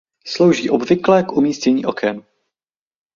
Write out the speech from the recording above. Slouží obvykle k umístění oken.